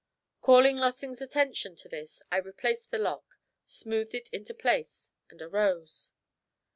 Calling Lossing's attention to this, I replaced the lock, smoothed it into place and arose.